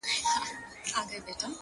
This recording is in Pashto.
ډيره مننه مهربان شاعره؛